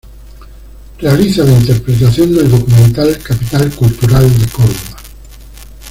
Realiza la interpretación del ‘Documental Capital Cultural de Córdoba’.